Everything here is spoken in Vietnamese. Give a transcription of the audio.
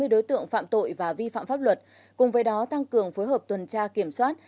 năm trăm chín mươi đối tượng phạm tội và vi phạm pháp luật cùng với đó tăng cường phối hợp tuần tra kiểm soát